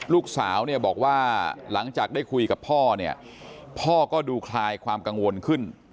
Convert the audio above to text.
ลูกสาวเนี่ยบอกว่าหลังจากได้คุยกับพ่อเนี่ยพ่อก็ดูคลายความกังวลขึ้น